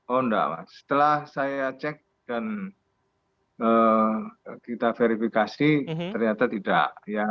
oh enggak pak setelah saya cek dan kita verifikasi ternyata tidak